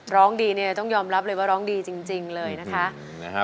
ร้องดีเนี่ยต้องยอมรับเลยว่าร้องดีจริงเลยนะคะ